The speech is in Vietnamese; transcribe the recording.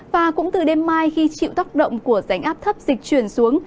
và cũng từ đêm mai khi chịu tác động của rãnh áp thấp dịch chuyển xuống